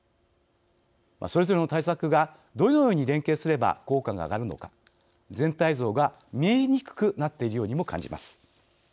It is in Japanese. それぞれの対策がどのように連携すれば効果が上がるのか全体像が見えにくくなっているようにも感じます。